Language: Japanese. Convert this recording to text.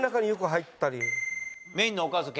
メインのおかず系。